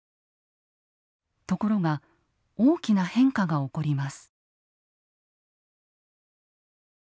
ところが大きな変化が起こります。